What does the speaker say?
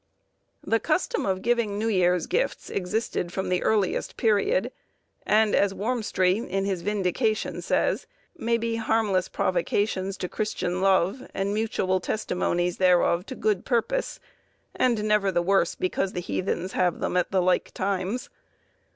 The custom of giving New Year's Gifts existed from the earliest period, and as Warmstry, in his 'Vindication,' says, may be "harmless provocations to Christian love, and mutuall testimonies thereof to good purpose, and never the worse because the heathens have them at the like times."